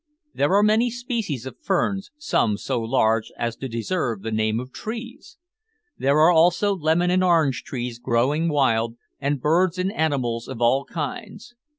There are many species of ferns, some so large as to deserve the name of trees. There are also lemon and orange trees growing wild, and birds and animals of all kinds."